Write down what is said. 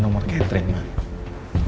kamu akan jadi tekn eastern